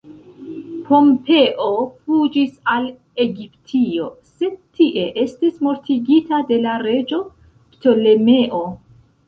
Pompeo fuĝis al Egiptio, sed tie estis mortigita de la reĝo Ptolemeo.